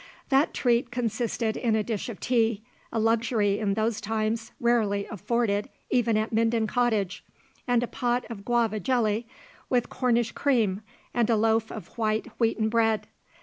The treat consisted in a dish of tea a luxury in those times, rarely afforded even at Minden Cottage and a pot of guava jelly, with Cornish cream and a loaf of white, wheaten bread.